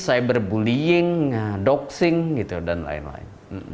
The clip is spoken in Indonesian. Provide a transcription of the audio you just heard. cyberbullying doxing gitu dan lain lain